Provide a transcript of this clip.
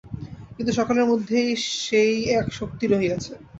কিন্তু সকলের মধ্যেই সেই এক শক্তি রহিয়াছে।